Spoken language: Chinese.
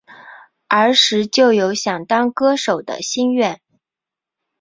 儿时就有想当歌手的心愿。